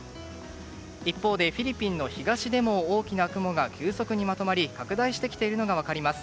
一方でフィリピンの東でも大きな雲が急速にまとまり拡大してきているのが分かります。